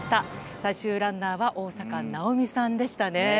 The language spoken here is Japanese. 最終ランナーは大坂なおみさんでしたね。